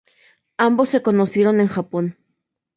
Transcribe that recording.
Ambos se conocieron en Japón.